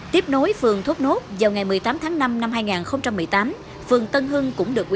tiếp nối phường thốt nốt vào ngày một mươi tám tháng năm năm hai nghìn một mươi tám